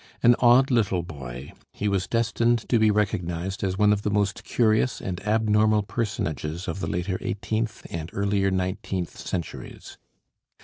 An "odd little boy," he was destined to be recognized as "one of the most curious and abnormal personages of the later eighteenth and earlier nineteenth centuries."